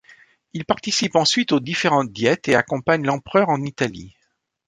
Il participe ensuite aux différentes diètes et accompagne l'empereur en Italie.